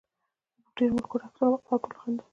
زموږ ډېرو ملګرو یې عکسونه واخیستل او ټولو خندل.